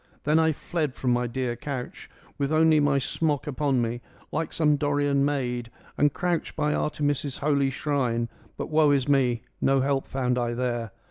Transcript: " Then I fled from my dear couch, with only my smock upon me, like some Dorian maid, and crouched by Artemis' holy shrine. But woe is me, no help found I there.